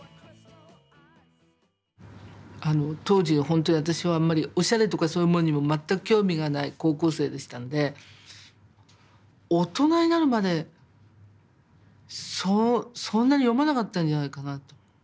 当時ホントに私はあんまりおしゃれとかそういうものにも全く興味がない高校生でしたので大人になるまでそんなに読まなかったんじゃないかなと。